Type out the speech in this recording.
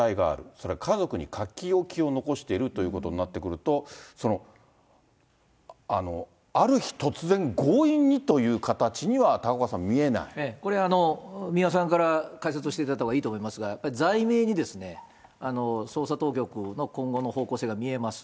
それから家族に書き置きを残しているということになると、ある日突然、強引にという形には、これ、三輪さんから解説をしていただいたほうがいいと思いますが、罪名にですね、捜査当局の今後の方向性が見えます。